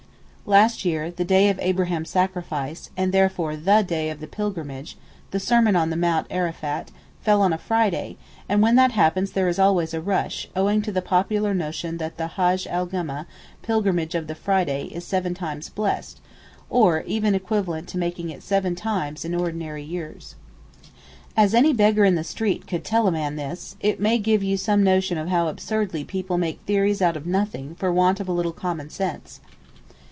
Last year the day of Abraham's sacrifice,—and therefore the day of the pilgrimage—(the sermon on Mount Arafat) fell on a Friday, and when that happens there is always a rush, owing to the popular notion that the Hajj el Gumma (pilgrimage of the Friday) is seven times blessed, or even equivalent to making it seven times in ordinary years. As any beggar in the street could tell a man this, it may give you some notion of how absurdly people make theories out of nothing for want of a little commonsense.